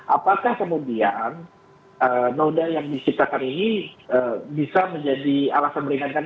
apakah kemudian noda yang diciptakan ini bisa menjadi alasan meringankan